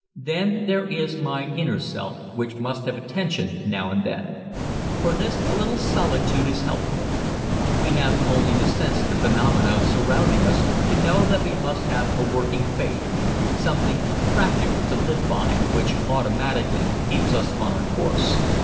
Then there is my inner self which must have attention now and then. For this a little solitude is helpful. We have only to sense the phenomena surrounding us to know that we must have a working faith something practical to live by, which automatically keeps us on our course.